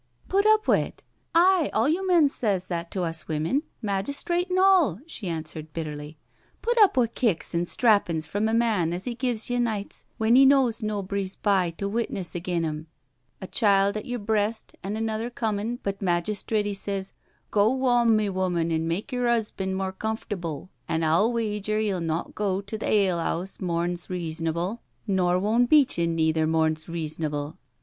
" Put up wi't I Aye, all you men sez that to us women— majistrit an' all," she answered bitterly. " Put up wi' kicks an' strappin's from a man as 'e gives ye nights when 'e knows nobry's by to witness agen 'im — a child at yer breast an' another comin', but magistrit, 'e sez, ' go wom me woman an' mak' yer 'usban' more comftable an' I'll wager 'e'U not go to th' ale 'ouse mom's reasonable, nor won' beat ye neither morn's reasonable!'